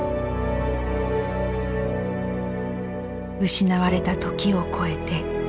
失われた時をこえて。